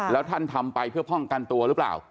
แล้วท่านทำไปเพื่อป้องกันตัวหรือเปล่า